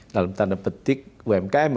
dalam tanda petik umkm